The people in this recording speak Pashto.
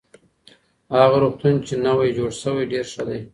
هغه روغتون چی نوی جوړ سوی ډېر ښه دی.